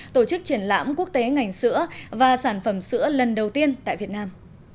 tổ chức triển lãm quốc tế ngành sữa và sản phẩm sữa lần đầu tiên tại việt nam